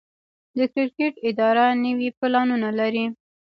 د کرکټ اداره نوي پلانونه لري.